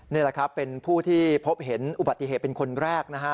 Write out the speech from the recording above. นี่แหละครับเป็นผู้ที่พบเห็นอุบัติเหตุเป็นคนแรกนะฮะ